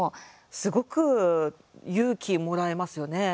すごく勇気もらえますよね。